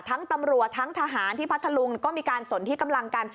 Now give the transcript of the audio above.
ตำรวจทั้งทหารที่พัทธลุงก็มีการสนที่กำลังกัน